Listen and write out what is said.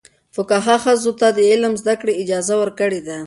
فقهاء ښځو ته د علم زده کړې اجازه ورکړې ده.